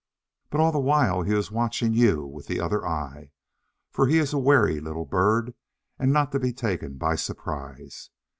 But, all the while, he is watching you with the other eye, for he is a wary little bird, and not to be taken by surprise.